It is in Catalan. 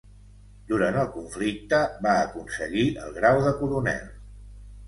Durant el conflicte va aconseguir el grau de coronel.